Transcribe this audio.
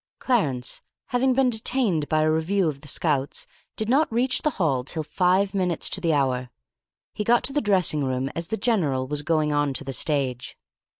Clarence, having been detained by a review of the Scouts, did not reach the hall till five minutes to the hour. He got to the dressing room as the general was going on to the stage.